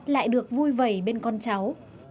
lại được vui vầy bên con cháu